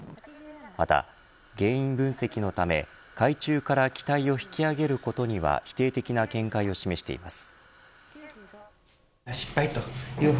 また原因分析のため海中から機体を引き揚げることには否定的な見解を示しています。